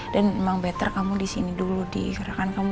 dan memang better kamu di sini dulu di gerakan kamu